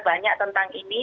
banyak tentang ini